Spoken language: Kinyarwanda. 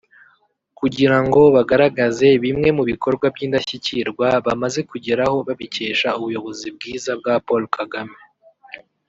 kugirango bagaragaze bimwe mubikorwa by’indashyikirwa bamaze kugeraho babikesha ubuyobozi bwiza bwa Paul Kagame